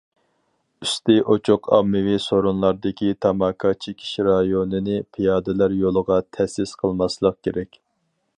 ئۈستى ئوچۇق ئاممىۋى سورۇنلاردىكى تاماكا چېكىش رايونىنى پىيادىلەر يولىغا تەسىس قىلماسلىق كېرەك.